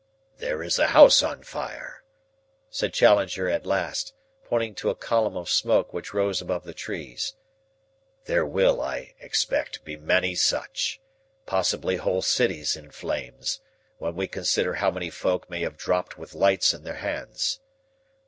"There is a house on fire," said Challenger at last, pointing to a column of smoke which rose above the trees. "There will, I expect, be many such possibly whole cities in flames when we consider how many folk may have dropped with lights in their hands.